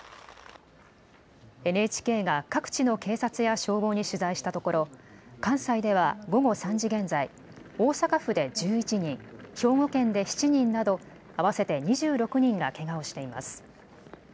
ＮＨＫが各地の警察や消防に取材したところ、関西では午後３時現在、大阪府で１１人、兵庫県で７人など、合わせて２６人がけがをしています。